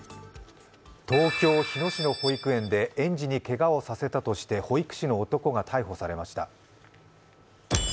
東京・日野市の保育園で園児にけがをさせたとして保育士の男が逮捕されました。